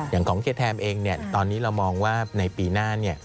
อย่างของเครียดแทนเองตอนนี้เรามองว่าในปีหน้า